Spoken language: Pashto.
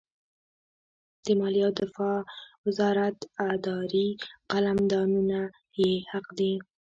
د مالیې او دفاع وزارت اداري قلمدانونه یې حق دي.